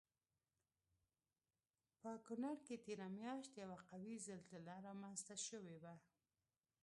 په کنړ کې تېره میاشت یوه قوي زلزله رامنځته شوی وه